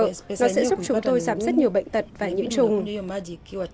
nó sẽ giúp chúng tôi giảm rất nhiều bệnh tật và nhiễm trùng